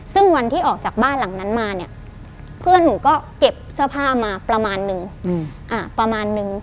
ซึ่งวันที่ออกจากบ้านหลังนั้นมาเนี่ยเพื่อนหนูก็เก็บเสื้อผ้ามาประมาณนึงประมาณนึง